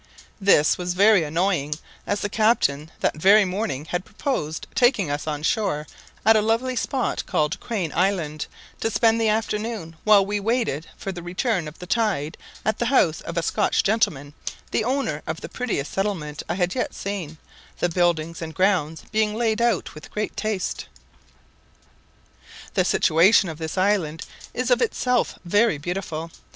This was very annoying; as the captain, that very morning, had proposed taking us on shore at a lovely spot called Crane Island, to spend the afternoon, while we waited for the return of the tide, at the house of a Scotch gentleman, the owner of the prettiest settlement I had yet seen, the buildings and grounds being laid out with great taste. The situation of this island is of itself very beautiful.